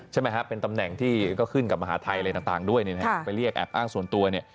ใช่ไหมฮะเป็นตำแหน่งที่ก็ขึ้นกับมหาทัยอะไรต่างด้วยไปเรียกแอบอ้างส่วนตัวเนี่ย